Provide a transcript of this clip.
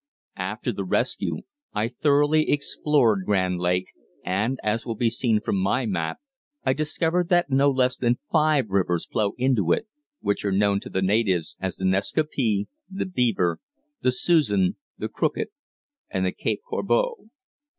After the rescue, I thoroughly explored Grand Lake, and, as will be seen from my map, I discovered that no less than five rivers flow into it, which are known to the natives as the Nascaupee, the Beaver, the Susan, the Crooked, and the Cape Corbeau.